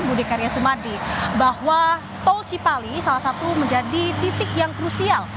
budi karya sumadi bahwa tol cipali salah satu menjadi titik yang krusial